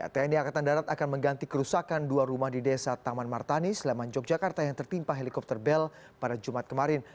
tni angkatan darat akan mengganti kerusakan dua rumah di desa taman martani sleman yogyakarta yang tertimpa helikopter bel pada jumat kemarin